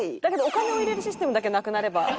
だけどお金を入れるシステムだけなくなれば。